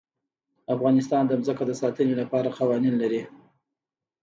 افغانستان د ځمکه د ساتنې لپاره قوانین لري.